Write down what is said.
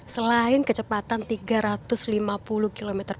selain kecepatan tiga ratus lima puluh km per jam